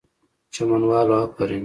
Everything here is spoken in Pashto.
چمن والو آفرین!!